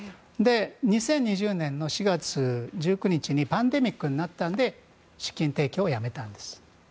２０２０年の４月１９日にパンデミックになったので資金提供をやめたんです。